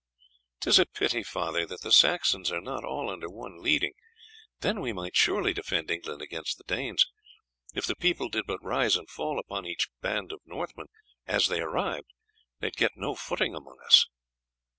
"'Tis a pity, father, that the Saxons are not all under one leading; then we might surely defend England against the Danes. If the people did but rise and fall upon each band of Northmen as they arrived they would get no footing among us."